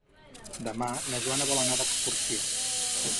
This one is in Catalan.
Demà na Joana vol anar d'excursió.